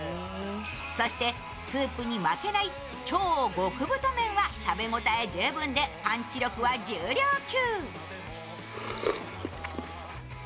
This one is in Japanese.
そしてスープに負けない超極太麺は、食べ応え十分でパンチ力は重量級。